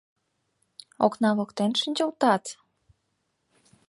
Окна воктен шинчылтат?